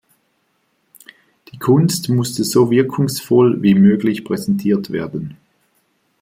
Die Kunst musste so wirkungsvoll wie möglich präsentiert werden.